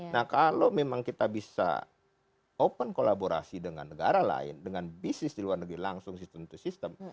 nah kalau memang kita bisa open kolaborasi dengan negara lain dengan bisnis di luar negeri langsung sistem to system